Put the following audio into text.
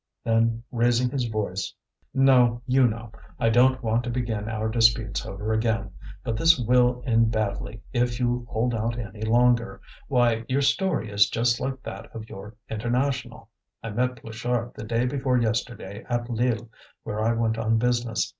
Then raising his voice: "No, you know, I don't want to begin our disputes over again, but this will end badly if you hold out any longer. Why, your story is just like that of your International. I met Pluchart the day before yesterday, at Lille, where I went on business.